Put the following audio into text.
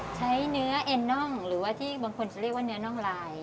ใช้เนื้อเอ็นน่องหรือว่าที่บางคนจะเรียกว่าเนื้อน่องลาย